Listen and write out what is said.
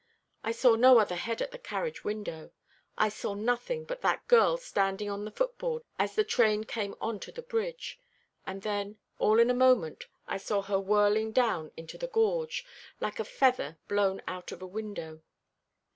I saw no other head at the carriage window. I saw nothing but that girl standing on the footboard as the train came on to the bridge; and then, all in a moment, I saw her whirling down into the gorge, like a feather blown out of a window.